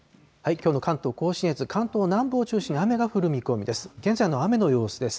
きょうの関東甲信越、関東南部を中心に雨が降る見込みです。